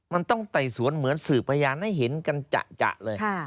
มันต้องไต่สวนเหมือนสื่อพยานให้เห็นกันจะเลย